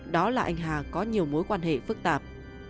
đó là anh hà có nhiều mối quan hệ phức tạp